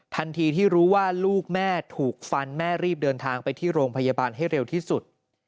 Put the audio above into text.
ทันทีที่รู้ว่าลูกแม่ถูกฟันแม่รีบเดินทางไปที่โรงพยาบาลให้เร็วที่สุด